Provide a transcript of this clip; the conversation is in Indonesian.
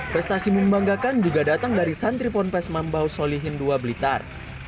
prestasi membanggakan juga datang dari santri ponpes mambau solihin dua blitar